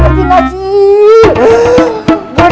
gak boleh susah campur